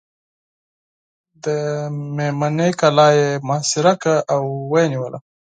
د مېمنې کلا یې محاصره کړه او ویې نیوله.